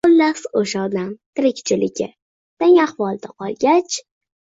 Xullas o’sha odam tirikchiligi tang ahvolda qolgach